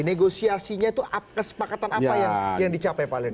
negosiasinya itu kesepakatan apa yang dicapai pak lend